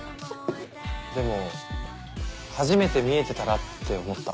でも初めて「見えてたら」って思った。